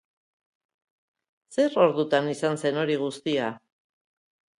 Zer ordutan izan zen hori guztia?